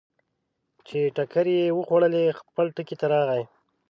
چې ټکرې یې وخوړلې، خپل ټکي ته راغی.